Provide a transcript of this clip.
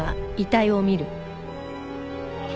あっ。